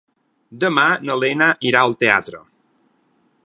Demà na Lena irà al teatre.